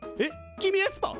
君エスパー！？